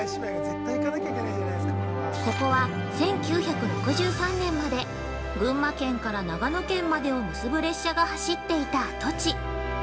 ◆ここは、１９６３年まで、群馬県から長野県までを結ぶ列車が走っていた跡地。